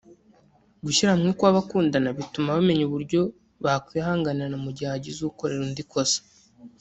Gushyira hamwe kw’abakundana bituma bamenya uburyo bakwihanganirana mu gihe hagize ukorera undi ikosa